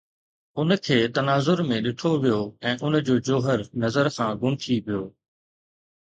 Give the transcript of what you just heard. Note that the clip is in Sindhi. ان کي تناظر ۾ ڏٺو ويو ۽ ان جو جوهر نظر کان گم ٿي ويو